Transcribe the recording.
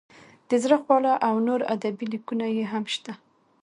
د زړه خواله او نور ادبي لیکونه یې هم شته.